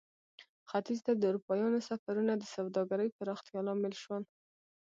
ختیځ ته د اروپایانو سفرونه د سوداګرۍ پراختیا لامل شول.